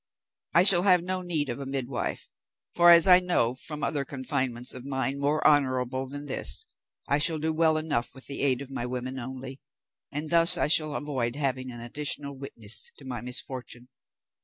I shall have no need of a midwife; for as I know from other confinements of mine, more honourable than this, I shall do well enough with the aid of my women only, and thus I shall avoid having an additional witness to my misfortune.'